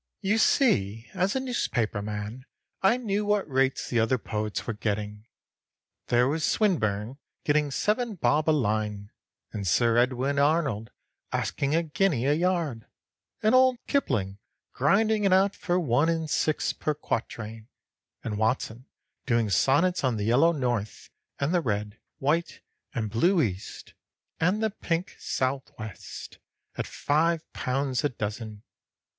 "You see, as a newspaper man I knew what rates the other poets were getting. There was Swinburne getting seven bob a line, and Sir Edwin Arnold asking a guinea a yard, and old Kipling grinding it out for one and six per quatrain, and Watson doing sonnets on the Yellow North, and the Red, White, and Blue East, and the Pink Sow'west, at five pounds a dozen.